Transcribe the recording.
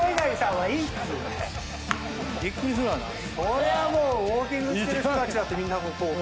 それはもうウオーキングしてる人たちだってみんなこう。